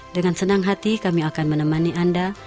dengan senang hati kami akan menemani anda